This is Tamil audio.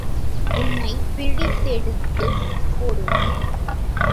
உன்னைப் பிழிந்தெடுத்துப் போடுவேன்.